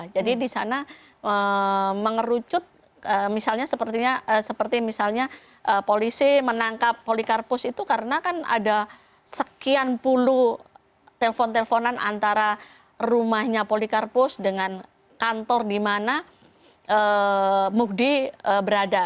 jadi di sana mengerucut misalnya seperti misalnya polisi menangkap polikarpus itu karena kan ada sekian puluh telpon telponan antara rumahnya polikarpus dengan kantor di mana mukdi berada